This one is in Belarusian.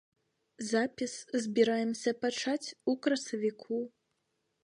Запіс збіраемся пачаць у красавіку.